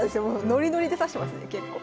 ノリノリで指してますね結構。